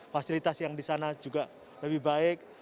fasilitas yang di sana juga lebih baik